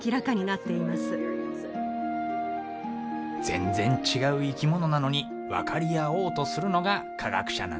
全然違う生き物なのに分かり合おうとするのが科学者なんだね。